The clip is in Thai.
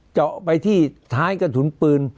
เจาะไปที่ท้ายกระสุนปืน